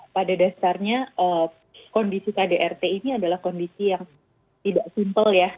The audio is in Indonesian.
pada dasarnya kondisi kdrt ini adalah kondisi yang tidak simpel ya